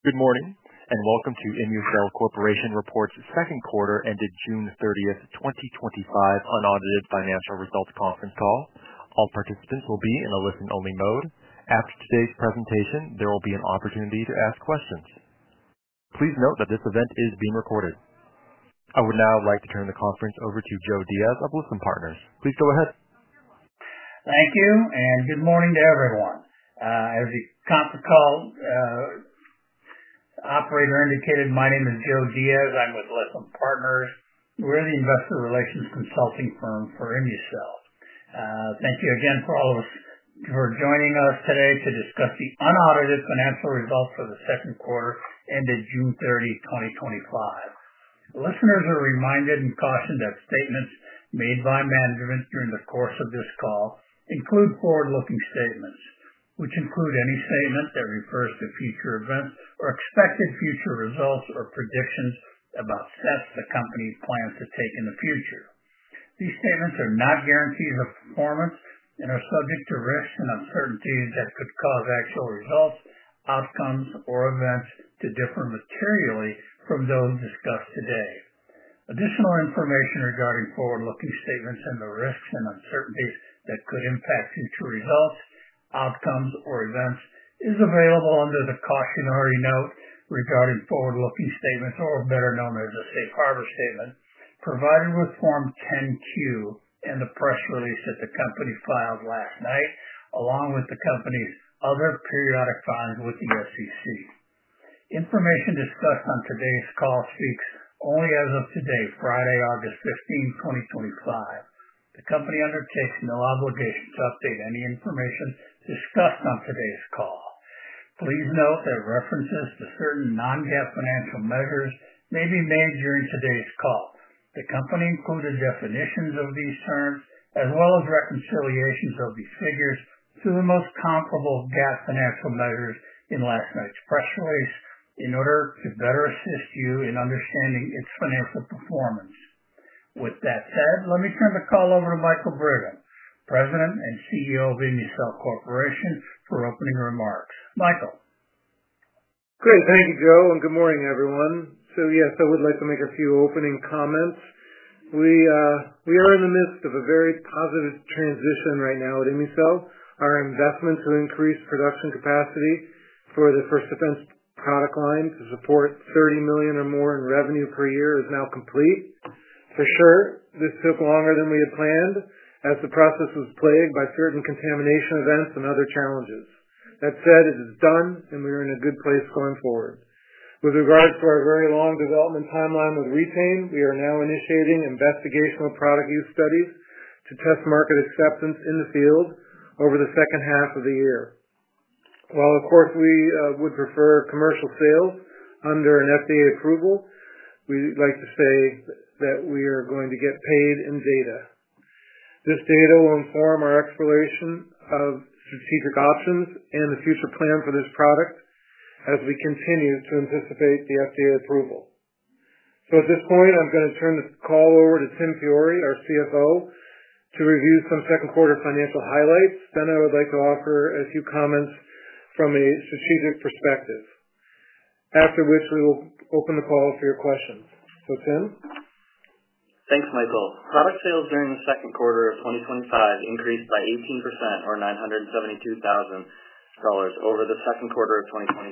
Good morning and welcome to ImmuCell Corporation Reports' Second Quarter Ended June 30, 2025, Unaudited Financial Results Conference Call. All participants will be in a listen-only mode. After today's presentation, there will be an opportunity to ask questions. Please note that this event is being recorded. I would now like to turn the conference over to Joe Diaz of Lytham Partners. Please go ahead. Thank you, and good morning to everyone. As the conference call operator indicated, my name is Joe Diaz. I'm with Lytham Partners. We're the investor relations consulting firm for ImmuCell. Thank you again for all of us for joining us today to discuss the unaudited financial results for the second quarter ended June 30, 2025. Listeners are reminded and cautioned that statements made by management during the course of this call include forward-looking statements, which include any statement that refers to future events or expected future results or predictions about steps the company plans to take in the future. These statements are not guaranteed or confirmed and are subject to risks and uncertainties that could cause actual results, outcomes, or events to differ materially from those discussed today. Additional information regarding forward-looking statements and the risks and uncertainties that could impact future results, outcomes, or events is available under the cautionary note regarding forward-looking statements, or better known as the safe harbor statement, provided with Form 10-Q and the press release that the company filed last night, along with the company's other periodic filings with the SEC. Information discussed on today's call speaks only as of today, Friday, August 15, 2025. The company undertakes no obligation to update any information discussed on today's call. Please note that references to certain non-GAAP financial measures may be made during today's call. The company included definitions of these terms, as well as reconciliations of these figures, to the most comparable GAAP financial measures in last night's press release in order to better assist you in understanding its financial performance. With that said, let me turn the call over to Michael Brigham, President and CEO of ImmuCell Corporation, for opening remarks. Michael. Great. Thank you, Joe, and good morning, everyone. I would like to make a few opening comments. We are in the midst of a very positive transition right now at ImmuCell. Our investment to increase production capacity for the First Defense product line to support $30 million or more in revenue per year is now complete. For sure, this took longer than we had planned as the process was plagued by certain contamination events and other challenges. That said, it is done, and we are in a good place going forward. With regard to our very long development timeline with Re-Tain, we are now initiating investigational product use studies to test market acceptance in the field over the second half of the year. While, of course, we would prefer commercial sales under an FDA approval, we'd like to say that we are going to get paid in data. This data will inform our exploration of strategic options and the future plan for this product as we continue to anticipate the FDA approval. At this point, I'm going to turn this call over to Tim Fiori, our CFO, to review some second quarter financial highlights. I would like to offer a few comments from a strategic perspective, after which we will open the call for your questions. Tim? Thanks, Michael. Product sales during the second quarter of 2025 increased by 18%, or $972,000, over the second quarter of 2024.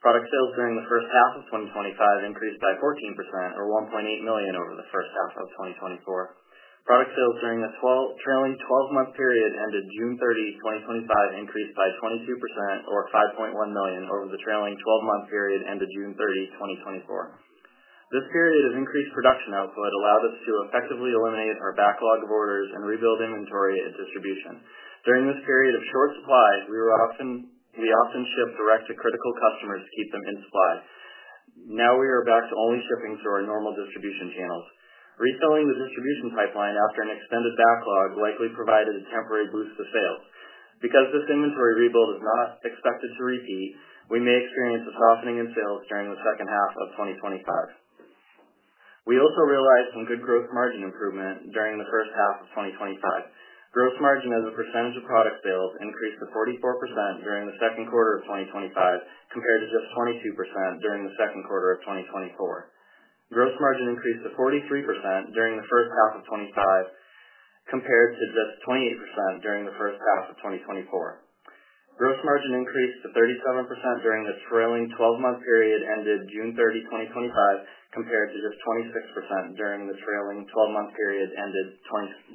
Product sales during the first half of 2025 increased by 14%, or $1.8 million, over the first half of 2024. Product sales during the trailing 12-month period ended June 30, 2025 increased by 22%, or $5.1 million, over the trailing 12-month period ended June 30, 2024. This period of increased production output allowed us to effectively eliminate our order backlog and rebuild inventory at distribution. During this period of short supplies, we were often shipping direct to critical customers to keep them in supply. Now we are back to only shipping through our normal distribution channels. Reselling the distribution pipeline after an extended backlog likely provided a temporary boost to sales. Because this inventory rebuild is not expected to repeat, we may experience a softening in sales during the second half of 2025. We also realized some good gross margin improvement during the first half of 2025. Gross margin as a percentage of product sales increased to 44% during the second quarter of 2025 compared to just 22% during the second quarter of 2024. Gross margin increased to 43% during the first half of 2025 compared to just 28% during the first half of 2024. Gross margin increased to 37% during the trailing 12-month period ended June 30, 2025 compared to just 26% during the trailing 12-month period ended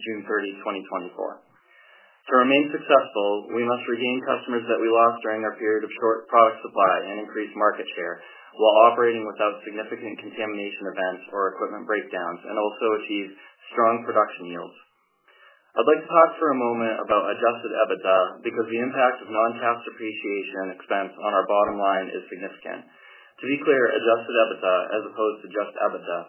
June 30, 2024. To remain successful, we must regain customers that we lost during our period of short product supply and increase market share while operating without significant contamination events or equipment breakdowns and also achieve strong production yields. I'd like to talk for a moment about adjusted EBITDA because the impact of non-cash depreciation expense on our bottom line is significant. To be clear, adjusted EBITDA, as opposed to just EBITDA,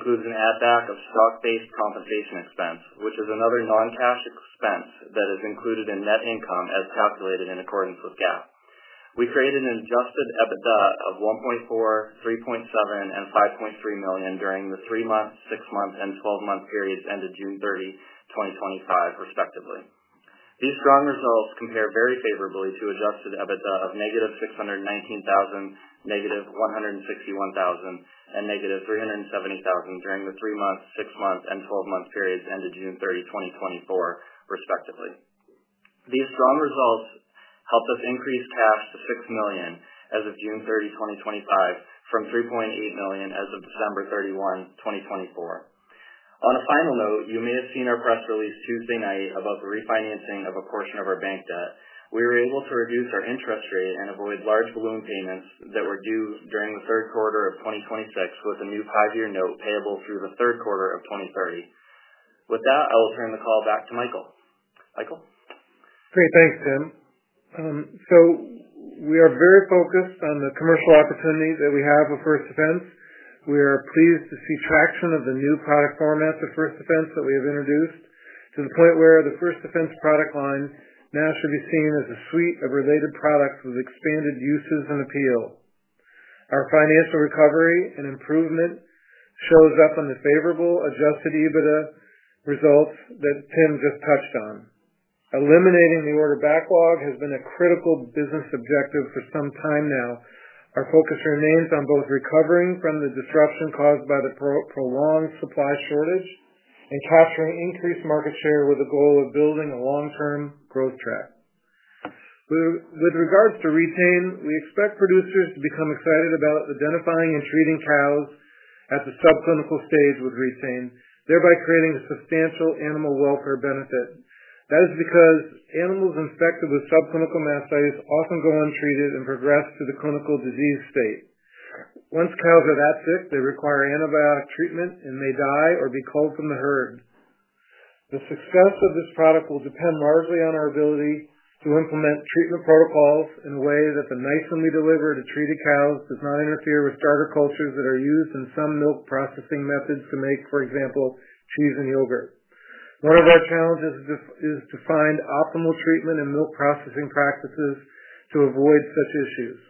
includes an add-back of stock-based compensation expense, which is another non-cash expense that is included in net income as calculated in accordance with GAAP. We created an adjusted EBITDA of $1.4 million, $3.7 million, and $5.3 million during the three-month, six-month, and 12-month periods ended June 30, 2025, respectively. These strong results compare very favorably to adjusted EBITDA of -$619,000, -$161,000, and -$370,000 during the three-month, six-month, and 12-month periods ended June 30, 2024, respectively. These strong results helped us increase working capital to $6 million as of June 30, 2025, from $3.8 million as of December 31, 2024. On a final note, you may have seen our press release Tuesday night about the refinancing of a portion of our bank debt. We were able to reduce our interest rate and avoid large balloon payments that were due during the third quarter of 2026 with a new five-year note payable through the third quarter of 2030. With that, I'll turn the call back to Michael. Michael? Great. Thanks, Tim. We are very focused on the commercial opportunity that we have with First Defense. We are pleased to see a fraction of the new product formats of First Defense that we have introduced to the point where the First Defense product line now should be seen as a suite of related products with expanded uses and appeal. Our financial recovery and improvement shows up on the favorable adjusted EBITDA results that Tim just touched on. Eliminating the order backlog has been a critical business objective for some time now. Our focus remains on both recovering from the disruption caused by the prolonged supply shortage and capturing increased market share with the goal of building a long-term growth track. With regards to Re-Tain, we expect producers to become excited about identifying and treating cows at the subclinical stage with Re-Tain, thereby creating a substantial animal welfare benefit. That is because animals infected with subclinical mastitis often go untreated and progress to the clinical disease state. Once cows are that sick, they require antibiotic treatment and may die or be culled from the herd. The success of this product will depend largely on our ability to implement treatment protocols in a way that the nice when we deliver to treated cows does not interfere with starter cultures that are used in some milk processing methods to make, for example, cheese and yogurt. One of our challenges is to find optimal treatment and milk processing practices to avoid such issues.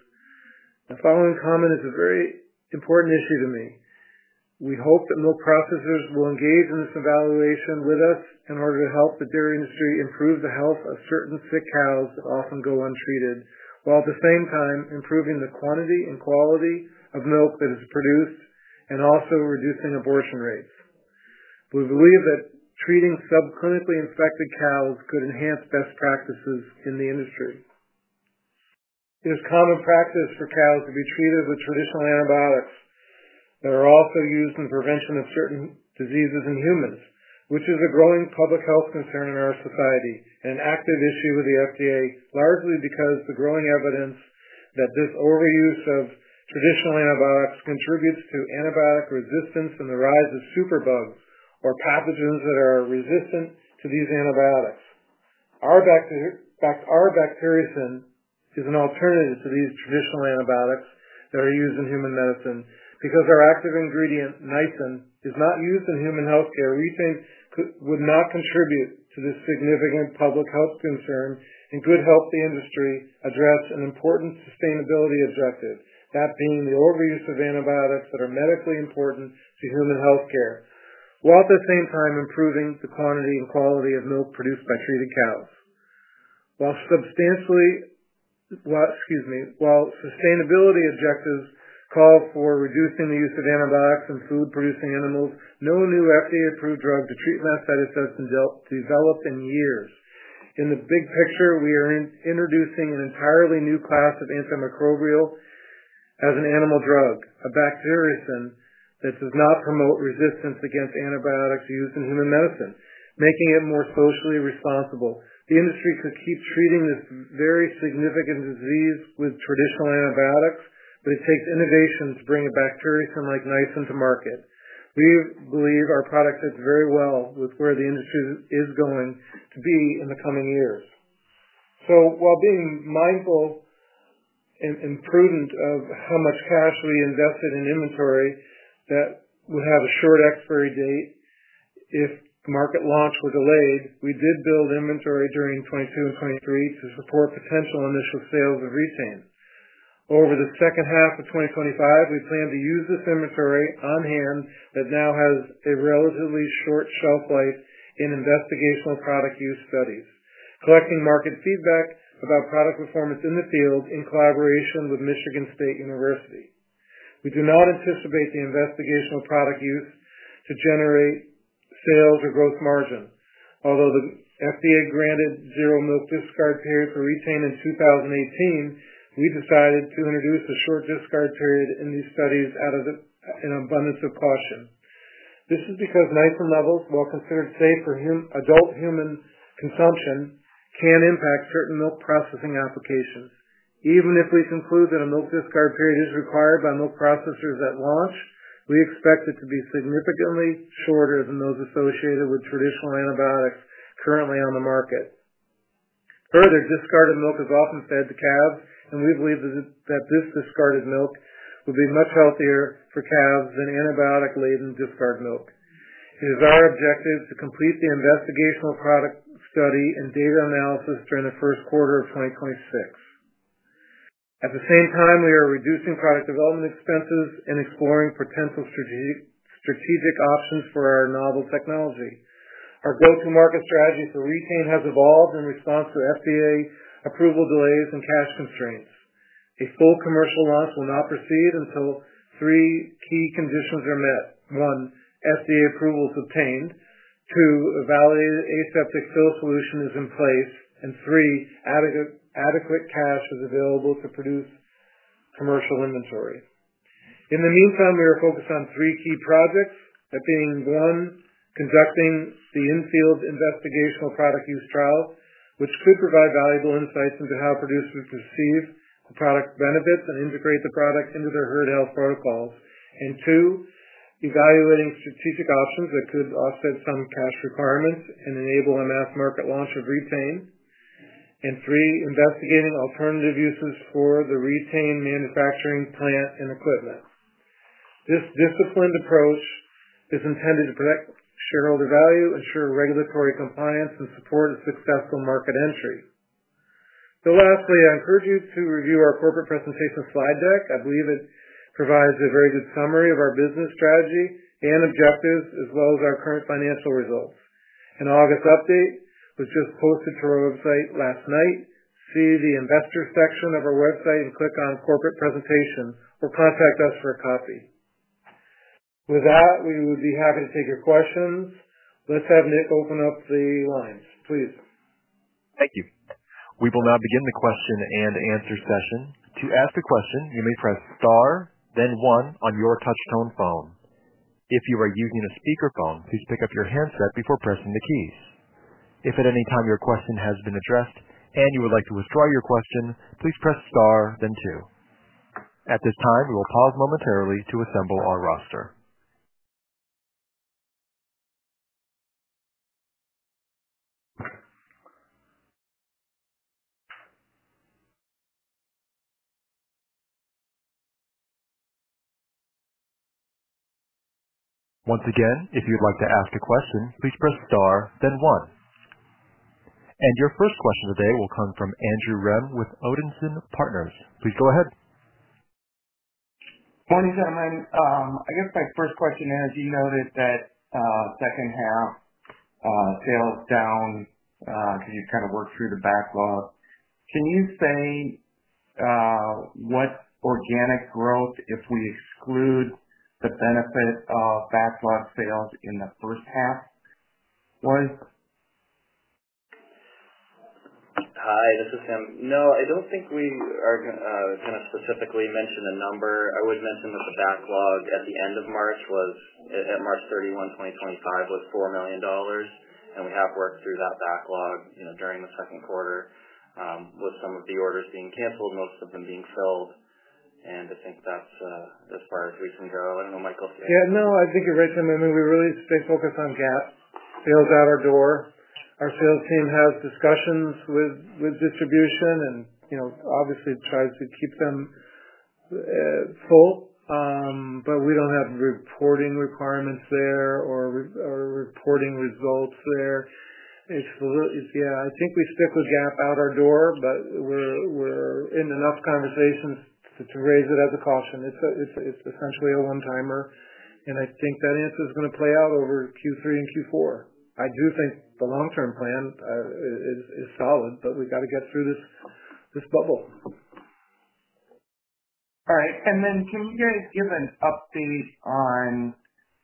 The following comment is a very important issue to me. We hope that milk processors will engage in this evaluation with us in order to help the dairy industry improve the health of certain sick cows that often go untreated, while at the same time improving the quantity and quality of milk that is produced and also reducing abortion rates. We believe that treating subclinically infected cows could enhance best practices in the industry. It is common practice for cows to be treated with traditional antibiotics that are also used in the prevention of certain diseases in humans, which is a growing public health concern in our society and an active issue with the FDA, largely because of the growing evidence that this overuse of traditional antibiotics contributes to antibiotic resistance and the rise of superbugs or pathogens that are resistant to these antibiotics. Our bacteriocin is an alternative to these traditional antibiotics that are used in human medicine because our active ingredient, nisin, is not used in human healthcare. Re-Tain would not contribute to this significant public health concern and could help the industry address an important sustainability objective, that being the overuse of antibiotics that are medically important to human healthcare, while at the same time improving the quantity and quality of milk produced by treated cows. While sustainability objectives call for reducing the use of antibiotics in food-producing animals, no new FDA-approved drug to treat mastitis has been developed in years. In the big picture, we are introducing an entirely new class of antimicrobial as an animal drug, a bacteriocin that does not promote resistance against antibiotic use in human medicine, making it more closely responsible. The industry could keep treating this very significant disease with traditional antibiotics, but it takes innovation to bring a bacteriocin like nisin to market. We believe our product fits very well with where the industry is going to be in the coming years. While being mindful and prudent of how much cash to be invested in inventory that would have a short expiry date if the market launch were delayed, we did build inventory during 2022 and 2023 to support potential initial sales of Re-Tain. Over the second half of 2025, we plan to use this inventory on hand that now has a relatively short shelf life in investigational product use studies, collecting market feedback about product performance in the field in collaboration with Michigan State University. We do not anticipate the investigational product use to generate sales or gross margin. Although the FDA granted a zero milk discharge period for Re-Tain in 2018, we decided to introduce a short discharge period in these studies out of an abundance of caution. This is because nisin levels, while considered safe for adult human consumption, can impact certain milk processing applications. Even if we conclude that a milk discharge period is required by milk processors at launch, we expect it to be significantly shorter than those associated with traditional antibiotics currently on the market. Further, discarded milk is often fed to calves, and we believe that this discarded milk would be much healthier for calves than antibiotic-laden discard milk. It is our objective to complete the investigational product study and data analysis during the first quarter of 2026. At the same time, we are reducing product development expenses and exploring potential strategic options for our novel technology. Our go-to-market strategy for Re-Tain has evolved in response to FDA approval delays and cash constraints. A full commercial launch will not proceed until three key conditions are met: one, FDA approvals obtained; two, a validated aseptic fill solution is in place; and three, adequate cash is available to produce commercial inventory. In the meantime, we are focused on three key projects, that being one, conducting the in-field investigational product use trial, which could provide valuable insights into how producers perceive the product benefits and integrate the product into their herd health protocols; two, evaluating strategic options that could offset some cash requirements and enable a mass market launch of Re-Tain; and three, investigating alternative uses for the Re-Tain manufacturing plant and equipment. This disciplined approach is intended to protect shareholder value, ensure regulatory compliance, and support a successful market entry. Lastly, I encourage you to review our corporate presentation slide deck. I believe it provides a very good summary of our business strategy and objectives, as well as our current financial results. An August update was just posted to our website last night. See the Investors' section of our website and click on Corporate Presentations or contact us for a copy. With that, we would be happy to take your questions. Let's have Nick open up the lines, please. Thank you. We will now begin the question-and-answer session. To ask a question, you may press Star, then one on your touch-tone phone. If you are using a speaker phone, please pick up your handset before pressing the keys. If at any time your question has been addressed and you would like to withdraw your question, please press Star, then two. At this time, we will pause momentarily to assemble our roster. Once again, if you'd like to ask a question, please press star, then one. Your first question today will come from Andrew Rem with Odinson Partners. Please go ahead. Morning, gentlemen. I guess my first question is, you noted that, second half, sales down, as you kind of work through the backlog. Can you say what organic growth, if we exclude the benefit of backlog sales in the first half, was? Hi, this is Tim. I don't think we specifically mentioned a number. I would mention that the backlog at the end of March, at March 31, 2025, was $4 million, and we have worked through that backlog during the second quarter, with some of the orders being canceled, most of them being filled. I think that's part of the reason we can grow. I don't know, Michael. Yeah, no, I think you're right, Tim. I mean, we really stay focused on GAAP. They all got our door. Our sales team has discussions with distribution and, you know, obviously tries to keep them full, but we don't have reporting requirements there or reporting results there. It's, yeah, I think we stick with GAAP out our door, but we're in enough conversations to raise it as a caution. It's essentially a one-timer, and I think that answer is going to play out over Q3 and Q4. I do think the long-term plan is solid, but we got to get through this bubble. All right. Can you guys give an update on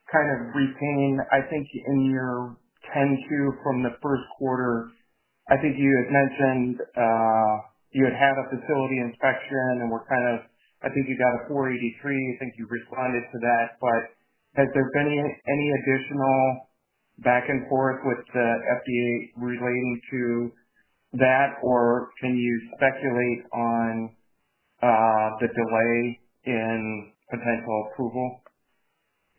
kind of Re-Tain? I think in your 10-Q from the first quarter, you had mentioned you had a facility inspection and were kind of, I think you got a 483. I think you've responded to that, but has there been any additional back and forth with the FDA relating to that, or can you speculate on the delay in potential approval?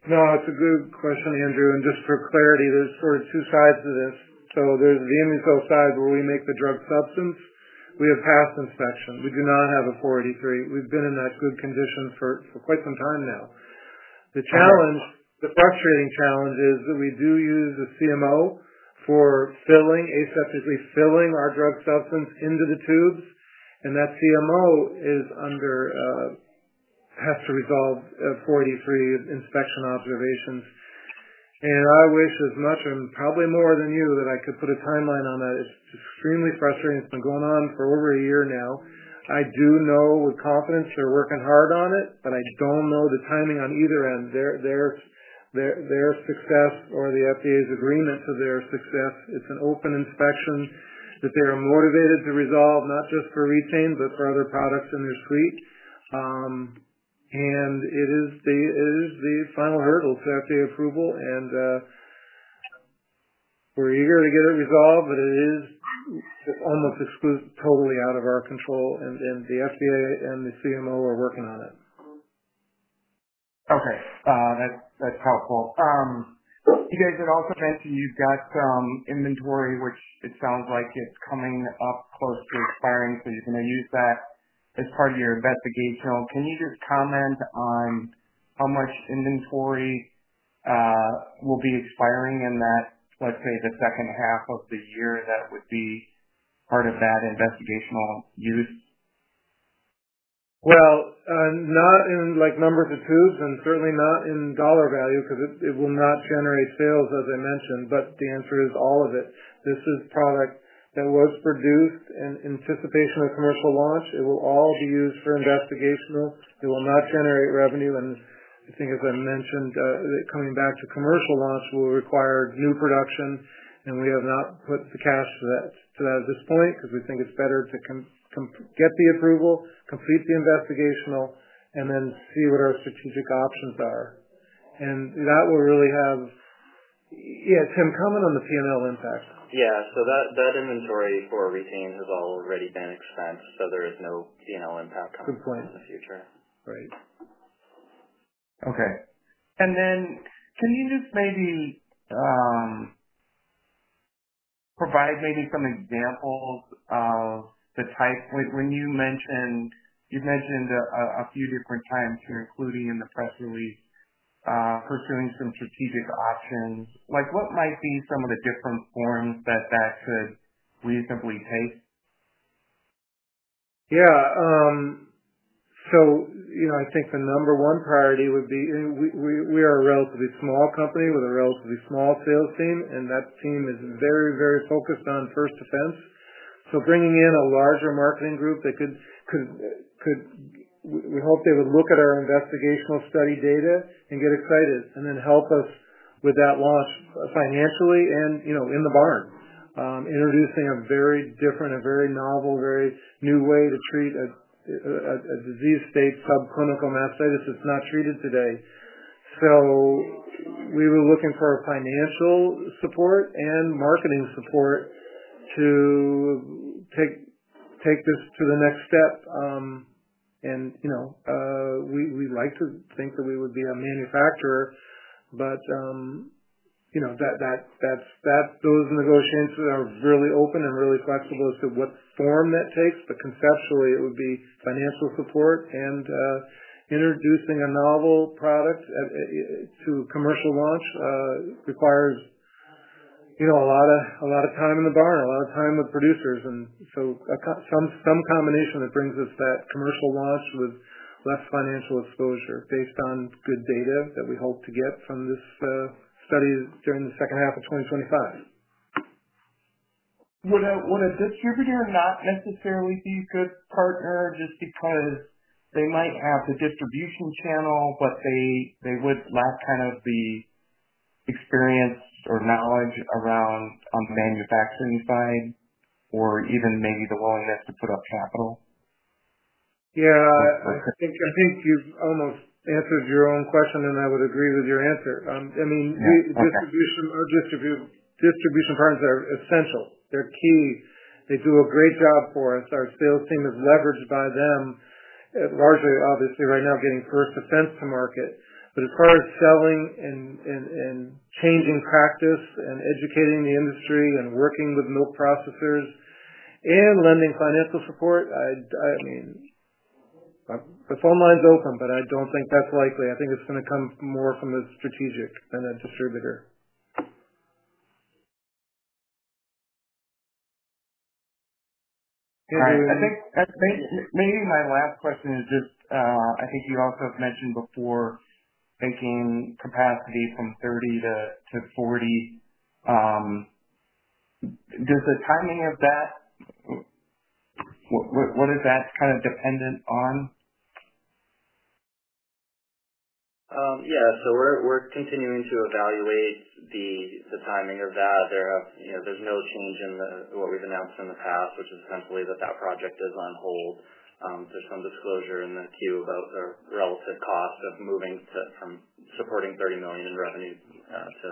No, it's a good question, Andrew. Just for clarity, there's sort of two sides to this. There's the ImmuCell side where we make the drug substance. We have passed inspection. We do not have a 483. We've been in that good condition for quite some time now. The challenge, the frustrating challenge, is that we do use a CMO for aseptically filling our drug substance into the tubes, and that CMO has to resolve a 483 inspection observations. I wish as much, and probably more than you, that I could put a timeline on that. It's extremely frustrating. It's been going on for over a year now. I do know with confidence they're working hard on it, but I don't know the timing on either end. Their success or the FDA's agreement to their success, it's an open inspection that they are motivated to resolve, not just for Re-Tain, but for other products in their suite. It is the final hurdle for FDA approval, and we're eager to get it resolved, but it is almost exclusively totally out of our control, and the FDA and the CMO are working on it. Okay, that's helpful. You guys had also mentioned you got some inventory, which it sounds like is coming up close to expiring, so you're going to use that as part of your investigational. Can you just comment on how much inventory will be expiring in that, let's say, the second half of the year that would be part of that investigational use? Not in like numbers of tubes and certainly not in dollar value because it will not generate sales, as I mentioned. The answer is all of it. This is product that was produced in anticipation of the commercial launch. It will all be used for investigational. It will not generate revenue. I think, as I mentioned, coming back to commercial launch will require new production, and we have not put the cash to that at this point because we think it's better to get the approval, complete the investigational, and then see what our strategic options are. That will really have, yeah, Tim, comment on the P&L impact. That inventory for Re-Tain has already been expensed, so there is no impact on the future. Good point. Right. Okay. Can you just maybe provide some examples of the types? Like when you mentioned, you've mentioned a few different times here, including in the press release, pursuing some strategic options. What might be some of the different forms that that could reasonably take? Yeah, I think the number one priority would be we are a relatively small company with a relatively small sales team, and that team is very, very focused on First Defense. Bringing in a larger marketing group that could, we hope, look at our investigational study data and get excited and then help us with that loss financially and, you know, in the barn. Introducing a very different, a very novel, very new way to treat a disease-stage subclinical mastitis that's not treated today. We were looking for financial support and marketing support to take this to the next step. You know, we like to think that we would be a manufacturer, but that's those negotiations are really open and really flexible as to what form that takes. Conceptually, it would be financial support and introducing a novel product at, to commercial launch, requires a lot of time in the barn, a lot of time with producers. I caught some combination that brings us that commercial launch with less financial exposure based on good data that we hope to get from this study during the second half of 2025. Would a distributor not necessarily be a good partner just because they might have a distribution channel, but they would lack kind of the experience or knowledge around the manufacturing side or even maybe the willingness to put up capital? I think you've almost answered your own question, and I would agree with your answer. Distribution products are essential. They're key. They do a great job for us. Our sales team is leveraged by them. It's largely, obviously, right now getting First Defense to market. As far as selling and changing practice and educating the industry and working with milk processors and lending financial support, the phone line's open, but I don't think that's likely. I think it's going to come more from a strategic and a distributor. Andrew, I think that's maybe my last question. I think you also have mentioned before thinking capacity from $30 million-$40 million. Does the timing of that, what is that kind of dependent on? Yeah. We're continuing to evaluate the timing of that. There's no change in what we've announced in the past, which is essentially that project is on hold. There's some disclosure in the Q about the relative cost of moving from supporting $30 million in revenue to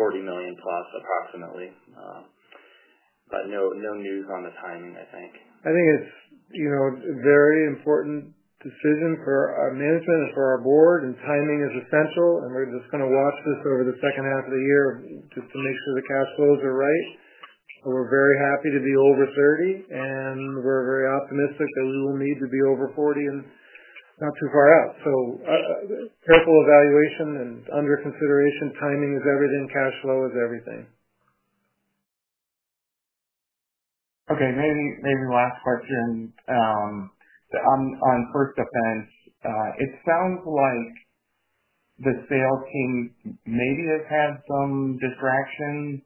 $40+ million approximately, but no news on the timing, I think. I think it's a very important decision for our management and for our board, and timing is essential. We're just going to watch this over the second half of the year to make sure the cash flows are right. We're very happy to be over $30 million, and we're very optimistic that we will need to be over $40 million and not too far out. A careful evaluation and under consideration. Timing is everything. Cash flow is everything. Okay. Maybe last question. On First Defense, it sounds like the sales team maybe has had some distraction,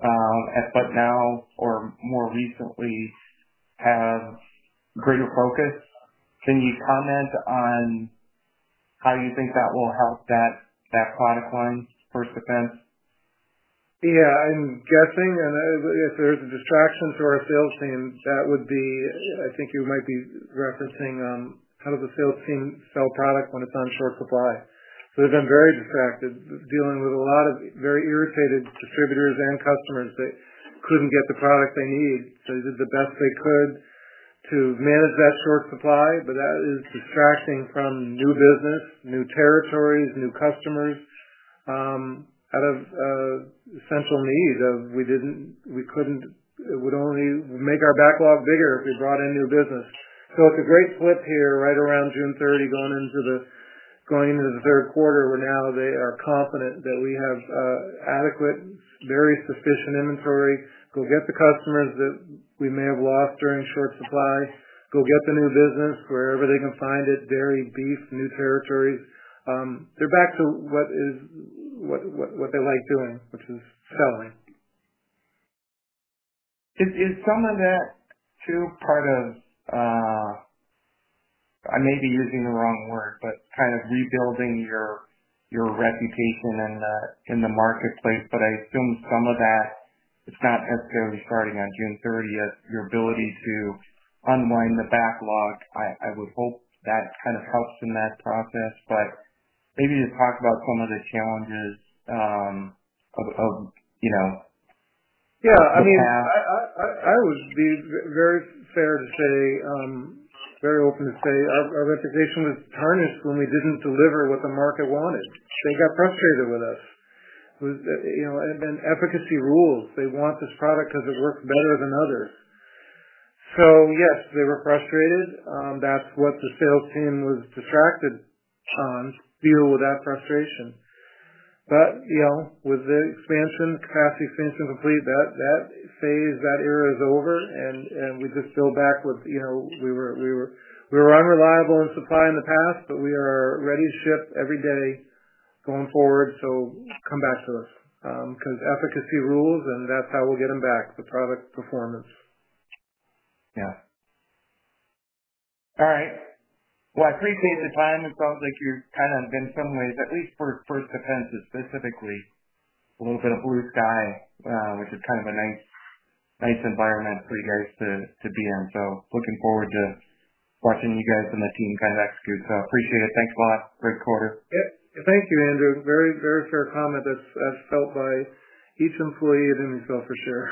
but now or more recently have greater focus. Can you comment on how you think that will help that product line, First Defense? Yeah, I'm guessing. If there was a distraction to our sales team, that would be, I think you might be referencing, how does the sales team sell product when it's on short supply? They've been very distracted dealing with a lot of very irritated distributors and customers that couldn't get the product they need. They did the best they could to manage that short supply, but that is distracting from new business, new territories, new customers, out of essential needs of we didn't, we couldn't, it would only make our backlog bigger if we brought in new business. Spoke a great clip here right around June 30, going into the third quarter, where now they are confident that we have adequate, very sufficient inventory. Go get the customers that we may have lost during short supply. Go get the new business wherever they can find it: dairy, beef, new territories. They're back to what they like doing, which is selling. Is some of that too part of, I may be using the wrong word, but kind of rebuilding your reputation in the marketplace? I assume some of that, it's not necessarily starting on June 30th, your ability to unwind the backlog. I would hope that kind of helps in that process. Maybe you talk about some of the challenges, you know. Yeah. I mean, I would be very fair to say, very open to say our reputation was tarnished when we didn't deliver what the market wanted. They got frustrated with us. It was, you know, and then efficacy rules. They want this product because it works better than others. Yes, they were frustrated. That's what the sales team was distracted on, deal with that frustration. You know, with the expansions, capacity expansion complete, that phase, that era is over, and we just build back what's, you know, we were unreliable in supply in the past, but we are ready to ship every day going forward. Come back to us. Because efficacy rules, and that's how we'll get them back, the product performance. All right. I appreciate your time. It sounds like you're kind of in some ways, at least for First Defense specifically, a little bit of blue sky, which is kind of a nice environment for you guys to be in. Looking forward to watching you guys and the team kind of execute. I appreciate it. Thanks, boss. Great quarter. Thank you, Andrew. Very, very fair comment that's felt by each employee at ImmuCell for sure.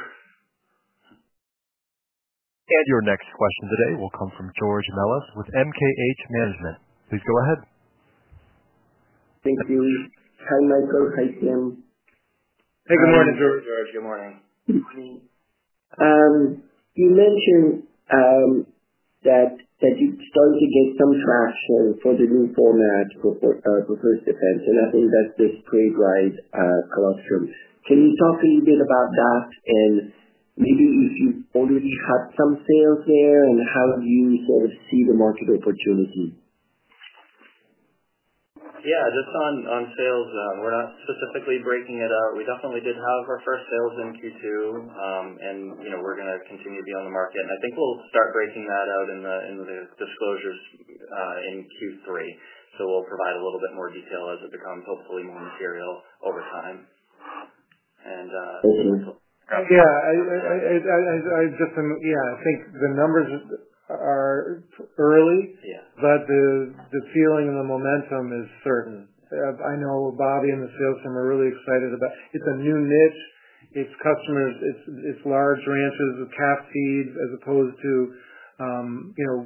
Your next question today will come from George Melas with MKH Management Company. Please go ahead. Thanks, Julie. Hi, Michael. Hi, Tim. Hey, good morning, George. George, good morning. You mentioned that investors play a great sell-off service. Can you talk a little bit about that, and maybe if you already have some sales there, and how do you sort of see the market opportunity? Yeah, just on sales, we're not specifically breaking it out. We definitely did have our first sales in Q2, and you know, we're going to continue to be on the market. I think we'll start breaking that out in the disclosure in Q3. We'll provide a little bit more detail as it becomes hopefully more material over time. Yeah, I just am, yeah, I think the numbers are early, yeah, but the feeling and the momentum is certain. I know Bobbi Jo and the sales team are really excited about it. It's a new niche. It's customers. It's large ranches with calf feeds as opposed to, you know,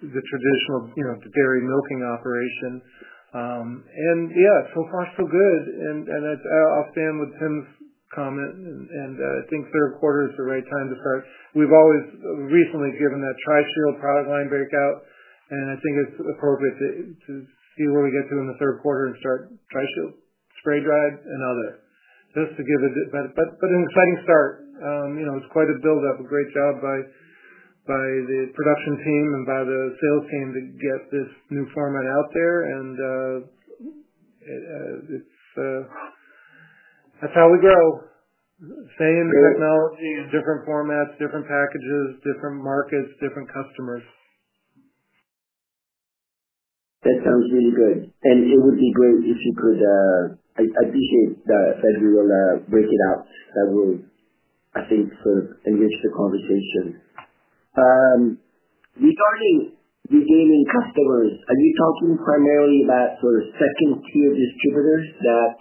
the traditional, you know, the dairy milking operation. Yeah, it's so far so good. I'll stand with Tim's comment and I think third quarter is the right time to start. We've always recently given that tri-field product line breakout, and I think it's appropriate to see where we get to in the third quarter and start tri-field, spray dried, and other. Just to give it a better, but an exciting start. You know, it's quite a build-up. A great job by the production team and by the sales team to get this new format out there. That's how we go. Same technology, different formats, different packages, different markets, different customers. That sounds really good. It would be great if you could, I appreciate that you will break it out. That will, I think, sort of engage the conversation. Regarding your daily customers, are you talking primarily about sort of second-tier distributors that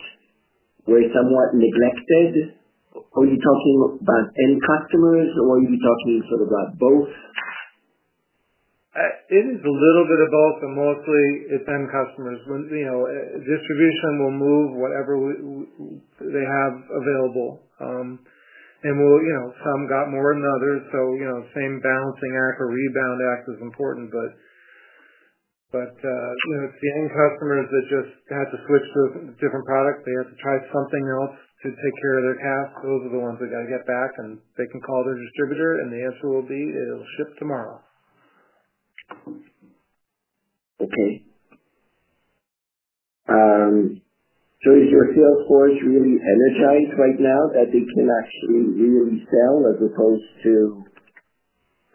were somewhat neglected? Are you talking about end customers or are you talking sort of about both? It is a little bit of both, and mostly it's end customers. Distribution will move whatever they have available, and some got more than others. The same balancing act or rebound act is important. It's the end customers that just had to switch to a different product. They had to try something else to take care of their calf. Those are the ones that got to get back, and they can call their distributor, and the answer will be, they'll ship tomorrow. Okay. Is your sales force really energized right now that they can actually really sell as opposed to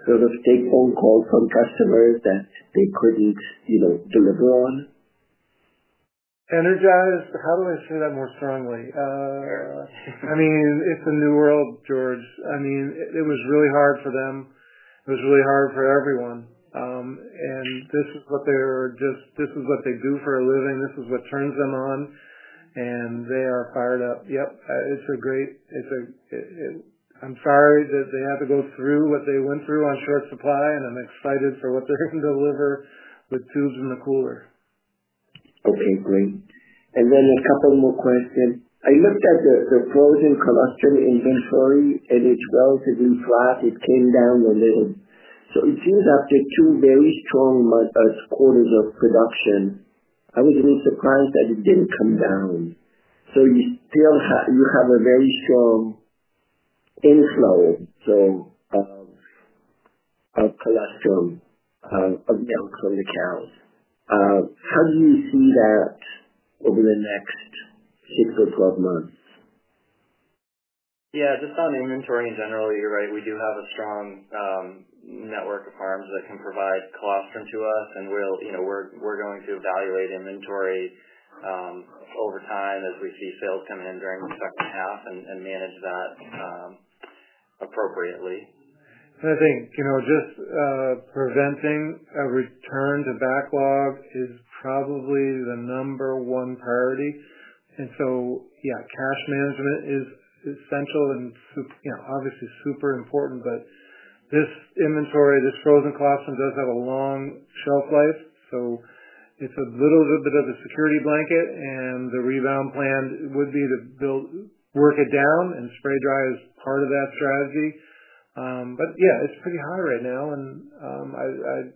sort of take phone calls from customers that they couldn't, you know, deliver on? Energized, how do I say that more strongly? I mean, it's a new world, George. I mean, it was really hard for them. It was really hard for everyone. This is what they do for a living. This is what turns them on. They are fired up. It's a great—I'm sorry that they had to go through what they went through on short supply, and I'm excited for what they're going to deliver with tubes in the cooler. Okay, great. A couple more questions. I looked at the closing production inventory, and it's relatively flat. It came down a little. It seems after two very strong quarters of production, I was really surprised that it didn't come down. You still have a very strong inflow of collateral, of milk from the cows. How do you see that over the next six months or 12 months? Yeah, just on inventory in general, you're right. We do have a strong network of farms that can provide collateral to us, and we're going to evaluate inventory over time as we see sales come in during the second half and manage that appropriately. I think, you know, just preventing a return to backlog is probably the number one priority. Cash management is essential and, you know, obviously super important. This inventory, this frozen collateral does have a long shelf life. It's a little bit of a security blanket, and the rebound plan would be to build, work it down, and spray dry is part of that strategy. It's pretty high right now. As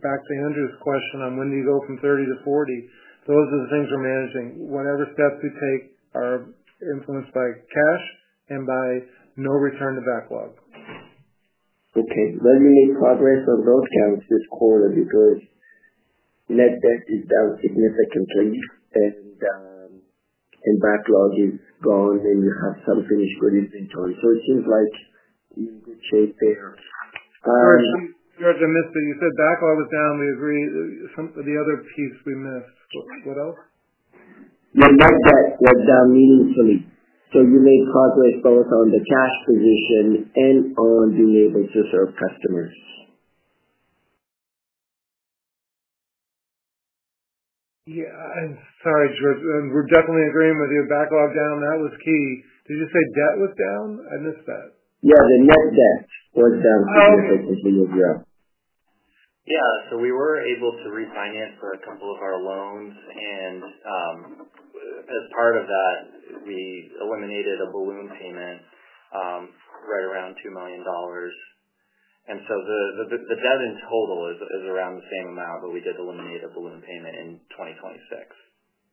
back to Andrew Rehm's question on when do you go from $30 million-$40 million, those are the things we're managing. Whatever steps we take are influenced by cash and by no return to backlog. Okay. Let me progress on those terms this quarter because net debt is down significantly, backlog is gone, and you have some finished with inventory. It seems like you're in good shape there. Sorry, George, I missed it. You said backlog was down. We agree. Some of the other piece we missed. What else? Yeah, like that, like that meaningfully. You made progress both on the cash position and on being able to serve customers. Yeah, George, we're definitely in agreement with you. Backlog down, that was key. Did you say debt was down? I missed that. Yeah, the net debt was down significantly with you. Yeah. We were able to refinance a couple of our loans, and as part of that, we eliminated a balloon payment right around $2 million. The debt in total is around the same amount, but we did eliminate a balloon payment in 2026.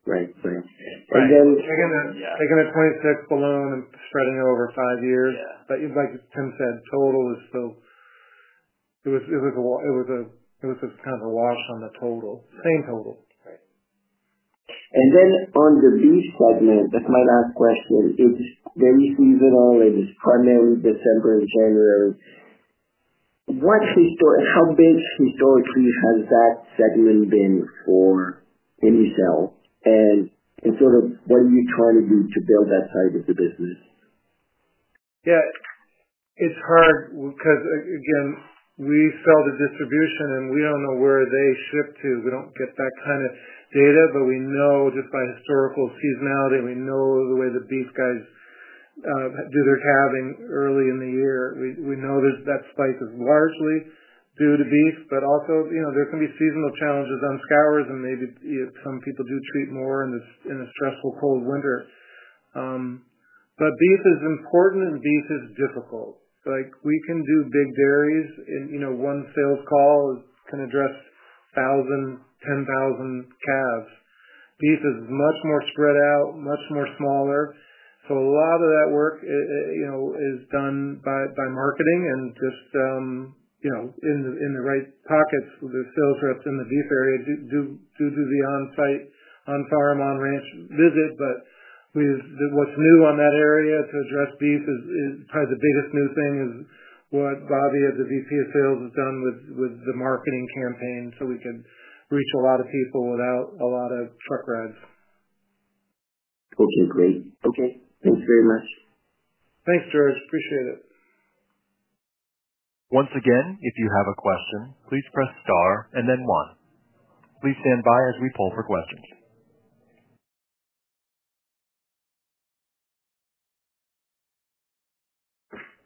Right. Taking a $26 million balloon and spreading it over five years, like Tim said, total is still, it was a kind of a loss on the total, same total. Right. On the beef segment, that's my last question. It's very seasonal, and it's primarily December and January. What history, how big historically has that segment been for ImmuCell? What are you trying to do to build that side of the business? Yeah. It's hard because, again, we sell to distribution, and we don't know where they ship to. We don't get that kind of data, but we know just by historical seasonality and we know the way the beef guys do their calving early in the year. We know that that spike is largely due to beef, but also, you know, there can be seasonal challenges on scours, and maybe some people do treat more in a stressful cold winter. Beef is important and beef is difficult. Like we can do big dairies and, you know, one sales call can address 1,000, 10,000 calves. Beef is much more spread out, much more smaller. A lot of that work is done by marketing and just, you know, in the right pockets. The sales reps in the beef area do the on-site, on-farm, on-range visit. What's new in that area to address beef is probably the biggest new thing is what Bobbi at the VTA Sales has done with the marketing campaign so we can reach a lot of people without a lot of truck rides. Okay, great. Thanks very much. Thanks, George. Appreciate it. Once again, if you have a question, please press star and then one. Please stand by as we pull for questions.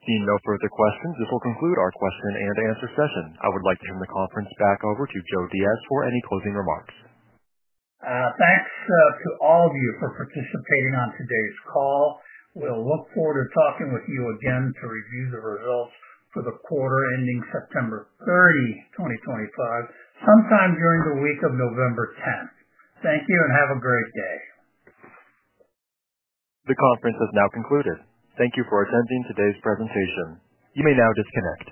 Seeing no further questions, this will conclude our question and answer session. I would like to turn the conference back over to Joe Diaz for any closing remarks. Thanks to all of you for participating on today's call. We'll look forward to talking with you again to review the results for the quarter ending September 30, 2025, sometime during the week of November 10. Thank you and have a great day. The conference has now concluded. Thank you for attending today's presentation. You may now disconnect.